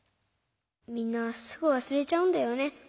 みんなすぐわすれちゃうんだよね。